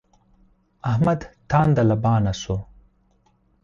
احمد تانده لبانه شو.